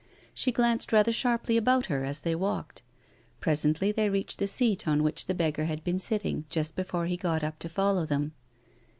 She glanced rather sharply about her as they walked. Presently they reached the seat on which the beggar had been sitting just be fore he got up to follow them.